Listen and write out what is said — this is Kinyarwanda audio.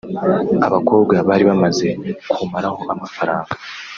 abakobwa bari bamaze kumaraho amafaranga